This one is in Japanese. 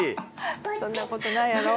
そんなことないやろ？